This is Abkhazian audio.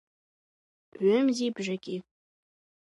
Ҩымзи бжаки!